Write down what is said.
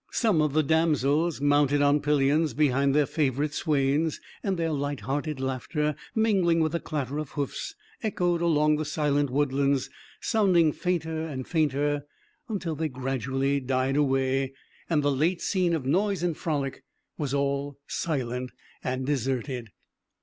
Some of the damsels mounted on pillions behind their favorite swains, and their light hearted laughter, mingling with the clatter of hoofs, echoed along the silent woodlands, sounding fainter and fainter, until they gradually died away and the late scene of noise and frolic was all silent and deserted.